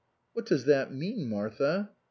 " What does that mean, Martha ?